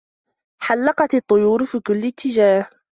حلقت الطيور في كل اتجاه.